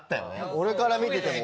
俺から見てても。